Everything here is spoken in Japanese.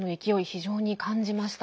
非常に感じました。